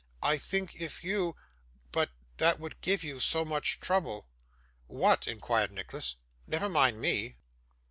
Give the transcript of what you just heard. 'I think if you but that would give you so much trouble.' 'What?' inquired Nicholas. 'Never mind me.